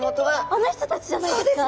あの人たちじゃないですか？